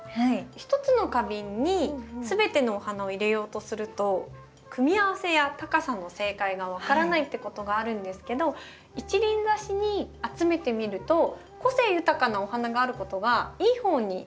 一つの花瓶に全てのお花を入れようとすると組み合わせや高さの正解が分からないってことがあるんですけど一輪挿しに集めてみると個性豊かなお花があることがいい方に見えると思うんですね。